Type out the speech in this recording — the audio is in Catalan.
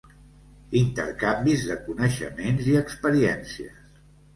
Intercanvis de coneixements i experiències.